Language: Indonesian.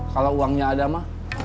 kalau uangnya ada mah